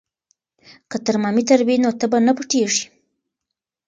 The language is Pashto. که ترمامیتر وي نو تبه نه پټیږي.